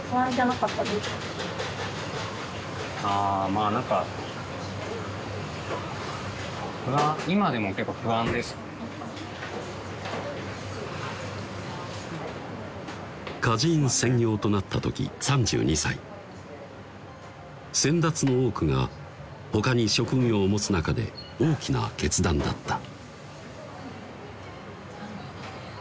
まぁ何か不安歌人専業となった時３２歳先達の多くが他に職業を持つ中で大きな決断だった